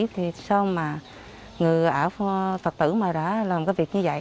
thì sao mà người phật tử mà đã làm cái việc như vậy